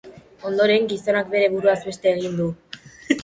Ondoren, gizonak bere buruaz beste egin du.